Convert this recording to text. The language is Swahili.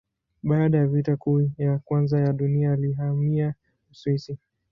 Baada ya Vita Kuu ya Kwanza ya Dunia alihamia Uswisi.